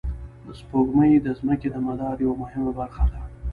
سپوږمۍ د ځمکې د مدار یوه مهمه برخه ده